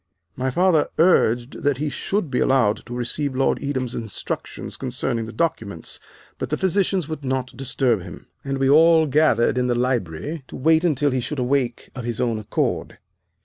My father urged that he should be allowed to receive Lord Edam's instructions concerning the documents, but the physicians would not disturb him, and we all gathered in the library to wait until he should awake of his own accord.